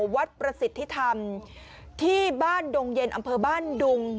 ประสิทธิธรรมที่บ้านดงเย็นอำเภอบ้านดุง